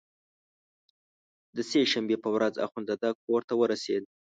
د سې شنبې په ورځ اخندزاده کورته ورسېد.